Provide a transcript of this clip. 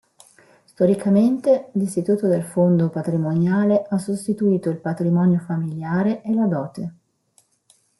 Storicamente, l'istituto del fondo patrimoniale ha sostituito il patrimonio familiare e la dote.